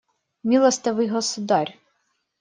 Милостивый государь!